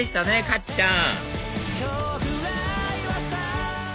かっちゃん